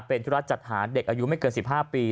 เป็นธุระจัดหาเด็กอายุไม่เกิน๑๕ปี